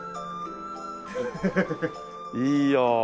いいよ。